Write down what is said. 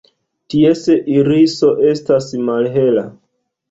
Ties iriso estas malhela.